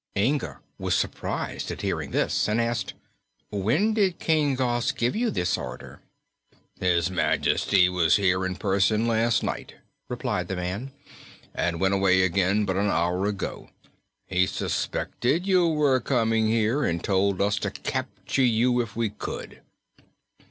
Inga was surprised at hearing this, and asked: "When did King Gos give you this order?" "His Majesty was here in person last night," replied the man, "and went away again but an hour ago. He suspected you were coming here and told us to capture you if we could."